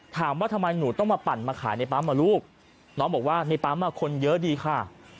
ถามว่าทำไมหนูต้องมาปั่นมาขายในปั๊มอ่ะลูกน้องบอกว่าในปั๊มคนเยอะดีค่ะ